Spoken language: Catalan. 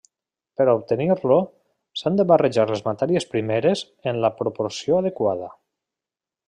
Per obtenir-lo, s'han de barrejar les matèries primeres, en la proporció adequada.